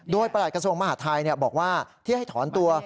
โดยประหลัดกระทรวงมหาทัยบอกว่าที่ให้ถอนตัว